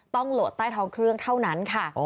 โหลดใต้ท้องเครื่องเท่านั้นค่ะ